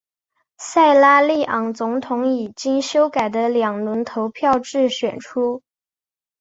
塞拉利昂总统以经修改的两轮投票制选出。